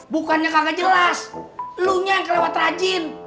bukannya kagak jelas lunya yang kelewat rajin